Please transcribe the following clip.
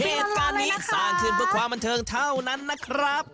เหตุการณ์นี้สร้างขึ้นเพื่อความบันเทิงเท่านั้นนะครับ